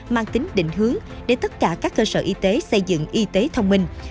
mang tính định hướng để tất cả các cơ sở y tế xây dựng y tế thông minh